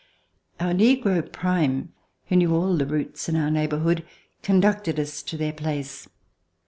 Our negro. Prime, who knew all the routes in our neighborhood, conducted us to their place.